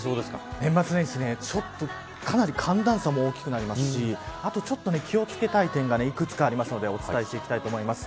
年末年始、かなり寒暖差も大きくなりますしあと、ちょっと気を付けたい点が幾つかあるのでお伝えしていきます。